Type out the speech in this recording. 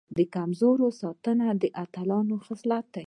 د کمزورو ساتنه د اتلانو خصلت دی.